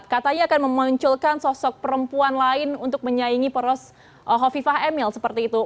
katanya akan memunculkan sosok perempuan lain untuk menyaingi poros hovifah emil seperti itu